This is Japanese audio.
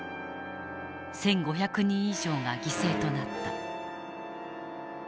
１，５００人以上が犠牲となった。